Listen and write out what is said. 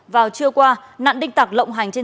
vào trưa qua nạn đinh tạc lộng hành trên địa bàn nghệ an